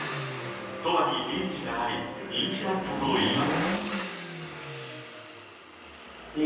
そばにビーチがあり人気だったといいます。